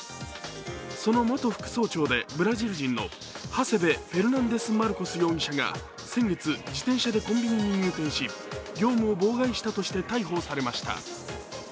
その元副総長でブラジル人のハセベ・フェルナンデス・マルコス容疑者が先月、自転車でコンビニに入店し業務を妨害したとして逮捕されました。